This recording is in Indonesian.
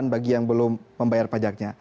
bagi yang belum membayar pajaknya